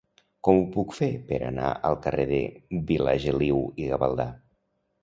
Com ho puc fer per anar al carrer de Vilageliu i Gavaldà?